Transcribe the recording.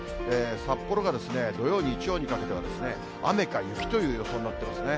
札幌が土曜、日曜にかけては雨か雪という予想になってますね。